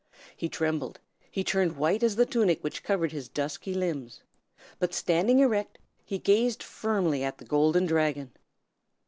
He trembled, he turned white as the tunic which covered his dusky limbs; but standing erect, he gazed firmly at the Golden Dragon.